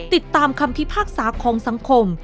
ติดตามคำพิพากษาของสังคม